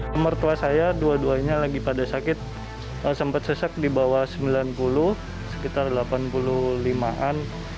mertua saya dua duanya lagi pada sakit sempat sesek di bawah sembilan puluh sekitar delapan puluh lima an